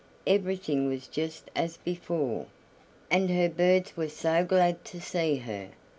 Everything was just as before, and her birds were so glad to see her!